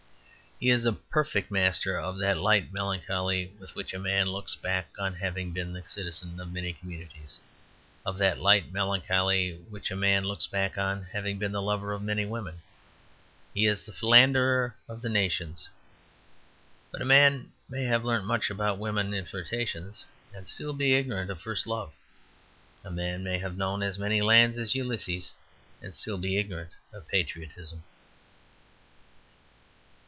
He is a perfect master of that light melancholy with which a man looks back on having been the citizen of many communities, of that light melancholy with which a man looks back on having been the lover of many women. He is the philanderer of the nations. But a man may have learnt much about women in flirtations, and still be ignorant of first love; a man may have known as many lands as Ulysses, and still be ignorant of patriotism.